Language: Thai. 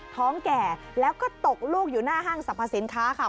ท้องแก่แล้วก็ตกลูกอยู่หน้าห้างสรรพสินค้าค่ะ